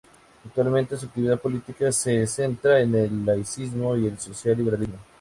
Actualmente su actividad política se centra en el laicismo y el social liberalismo.